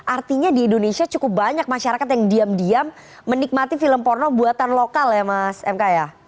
artinya di indonesia cukup banyak masyarakat yang diam diam menikmati film porno buatan lokal ya mas mk ya